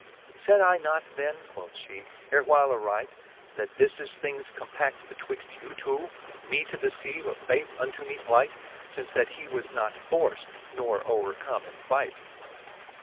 Sayd I not then, quoth fhee, ervvhile aright, That this is things compa(9:e betwixt you two, Me to deceive of faith unto me plight, Since that he was not forft, nor overcome in fight